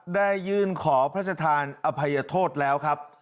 ได้ยื่นขอพระชธานอภัยโทษแล้วครับ